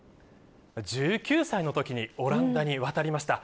１９歳のときにオランダにわたりました。